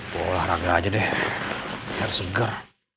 bolah raga aja deh air segar